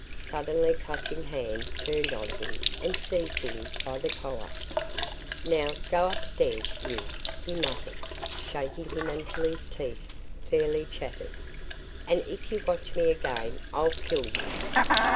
Suddenly Clutching Hand turned on him and seized him by the collar. "Now, go upstairs, you," he muttered, shaking him until his teeth fairly chattered, "and if you watch me again I'll kill you!"